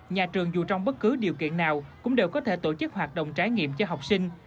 nhà trường dù trong bất cứ điều kiện nào cũng đều có thể tổ chức hoạt động trải nghiệm cho học sinh